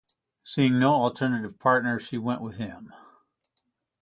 Seeing no alternative partner, she went with him.